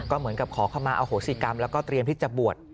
เหมือนกับขอเข้ามาอโหสิกรรมแล้วก็เตรียมที่จะบวช